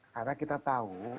karena kita tahu